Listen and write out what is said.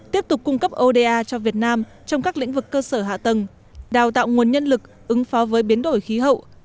tiếp tục cung cấp oda cho việt nam trong các lĩnh vực cơ sở hạ tầng đào tạo nguồn nhân lực ứng phó với biến đổi khí hậu